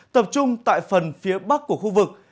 tập trung tại phần phía bắc của khu vực